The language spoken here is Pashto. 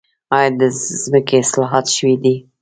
آیا د ځمکې اصلاحات شوي دي؟